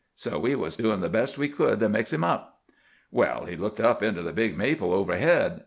So we was doin' the best we could to mix him up. "Well, he looked up into the big maple overhead.